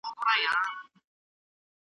نسیم دي هر سبا راوړلای نوی نوی زېری .